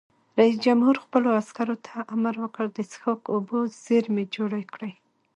رئیس جمهور خپلو عسکرو ته امر وکړ؛ د څښاک اوبو زیرمې جوړې کړئ!